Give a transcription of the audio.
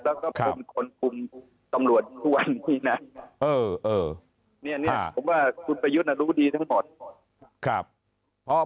และก็จำนวนคุณทุกวันนี้นะเหอะ